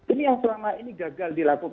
ini yang selama ini gagal dilakukan